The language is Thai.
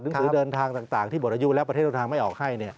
หรือเดินทางต่างที่หมดอายุแล้วประเทศเดินทางไม่ออกให้